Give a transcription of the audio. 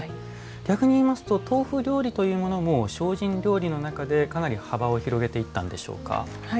逆に言いますと豆腐料理というものも精進料理の中でかなり幅を広げていったんでしょうか？